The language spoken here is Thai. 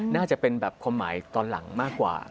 น่าจะเป็นแบบความหมายตอนหลังมากกว่า